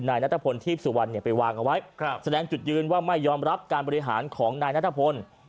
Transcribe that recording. นัทพลทีพสุวรรณไปวางเอาไว้แสดงจุดยืนว่าไม่ยอมรับการบริหารของนายนัทพล